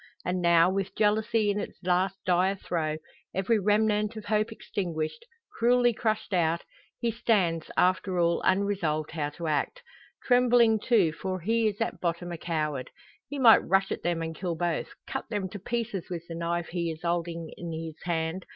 And now, with jealousy in its last dire throe, every remnant of hope extinguished cruelly crushed out he stands, after all, unresolved how to act. Trembling, too; for he is at bottom a coward. He might rush at them and kill both cut them to pieces with the knife he is holding in his hand.